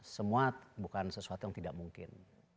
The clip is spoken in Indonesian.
semua bukan sesuatu yang tidak mungkin